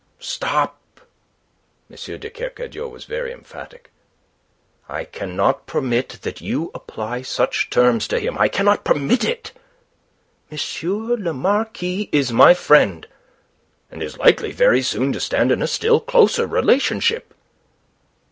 "Stop!" M. de Kercadiou was very emphatic. "I cannot permit that you apply such terms to him. I cannot permit it. M. le Marquis is my friend, and is likely very soon to stand in a still closer relationship."